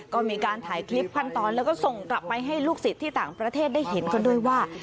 ก็มีการถ่ายคลิปขั้นตอนแล้วก็ส่งกลับไปให้ลูกศิษย์ที่ต่างประเทศได้เห็นกันด้วยว่า